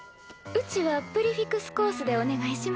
うちはプリフィクスコースでお願いします。